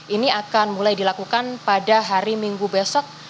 ini akan mulai dilakukan pada hari minggu besok